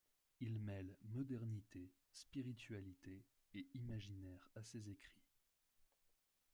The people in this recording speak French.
Il mêle modernité, spiritualité et imaginaire à ses écrits.